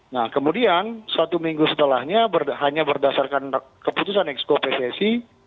nah kemudian satu minggu setelahnya hanya berdasarkan keputusan exco pssi